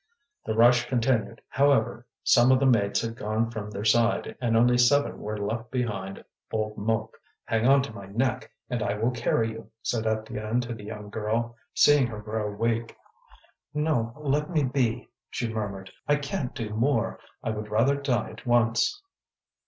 The rush continued, however; some of the mates had gone from their side, and only seven were left behind old Mouque. "Hang on to my neck and I will carry you," said Étienne to the young girl, seeing her grow weak. "No, let me be," she murmured. "I can't do more; I would rather die at once."